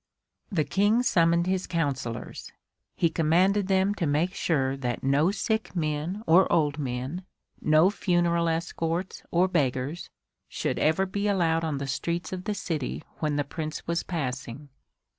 The King summoned his counsellors. He commanded them to make sure that no sick men or old men, no funeral escorts or beggars should ever be allowed on the streets of the city when the Prince was passing.